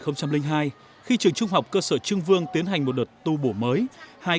năm hai nghìn hai khi trường trung học cơ sở trưng vương tiến hành một đợt tu bổ mới